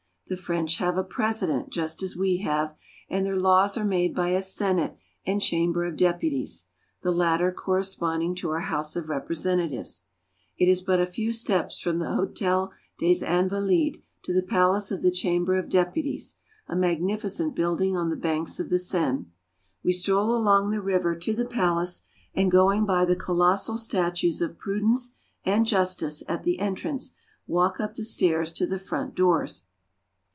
The French have a President, just as we have, and their laws are made by a Senate and Chamber of Deputies, the latter corresponding to our House of Representatives. It is but a few steps from the Hdtel des Invalides to the Palace of the Chamber of Deputies, a magnificent building on the banks of the Seine. We stroll along the river to the palace, and going by the colossal statues of Prudence and Justice at the entrance, walk up the stairs to the front doors.